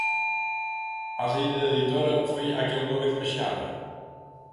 A saída da editora foi a que algunha vez imaxinara?